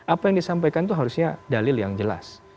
apa yang disampaikan itu harusnya dalil yang jelas